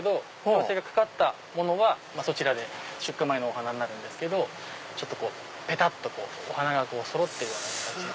矯正がかかったものはそちら出荷前のお花になるんですけどぺたっとお花がそろってるような形。